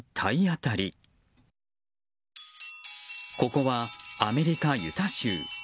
ここはアメリカ・ユタ州。